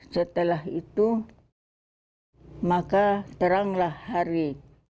setelah itu maka teranglah hari